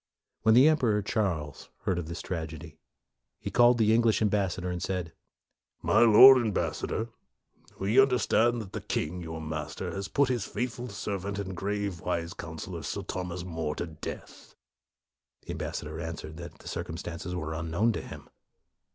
When the Emperor Charles heard of 52 MORE this tragedy, he called the English am bassador, and said, " My Lord Ambassa dor, we understand that the king, your master, hath put his faithful servant and grave wise councilor, Sir Thomas More, to death.' 1 The ambassador answered that the circumstances were unknown to him.